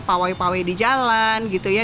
pawai pawai di jalan gitu ya